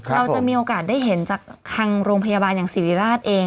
เราจะมีโอกาสได้เห็นจากทางโรงพยาบาลอย่างสิริราชเอง